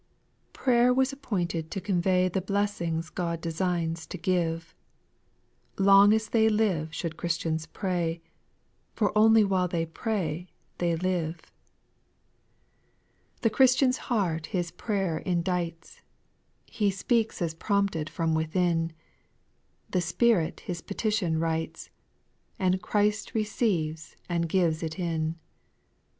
T)RAYER was appointed to convey Jl The blessings God designs to give ; Long as they live should Christians pray, ^or otiljr while they pray they live. SPIRITUAL SONGS 101 2. The Christian's heart his prayer indites, He speaks as prompted from within ; The Spirit his petition writes, And Christ receives and gives it in.